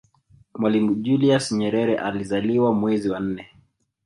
mwalimu julius nyerere alizaliwa mwezi wa nne